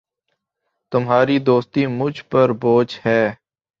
تمہاری دوستی مجھ پر بوجھ ہے